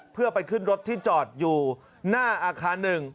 เพื่อไปขึ้นรถที่จอดอยู่หน้าอาคาร๑